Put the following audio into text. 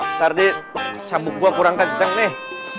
ntar di samuk gua kurang kenceng nih